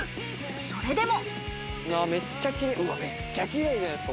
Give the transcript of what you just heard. それでも。